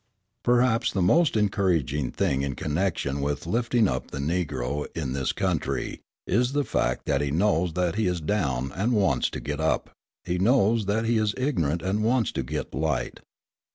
Perhaps the most encouraging thing in connection with the lifting up of the Negro in this country is the fact that he knows that he is down and wants to get up, he knows that he is ignorant and wants to get light.